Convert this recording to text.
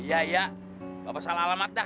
iya iya bapak salah alamat dah